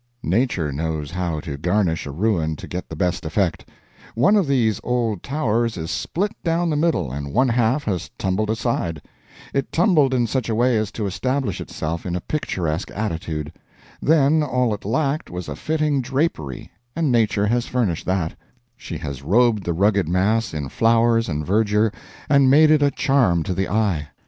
Nature knows how to garnish a ruin to get the best effect. One of these old towers is split down the middle, and one half has tumbled aside. It tumbled in such a way as to establish itself in a picturesque attitude. Then all it lacked was a fitting drapery, and Nature has furnished that; she has robed the rugged mass in flowers and verdure, and made it a charm to the eye.